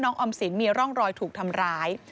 ออมสินมีร่องรอยถูกทำร้าย